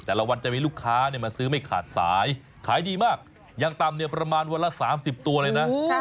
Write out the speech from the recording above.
แต่ละวันจะมีลูกค้ามาซื้อไม่ขาดสายขายดีมากอย่างต่ำเนี่ยประมาณวันละ๓๐ตัวเลยนะ